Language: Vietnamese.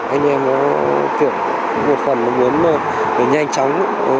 anh em nó kiểu một phần nó muốn nhanh chóng